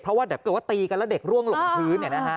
เพราะว่าแต่เกิดว่าตีกันแล้วเด็กล่วงหลบท็วน